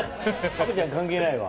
虻ちゃん関係ないわ。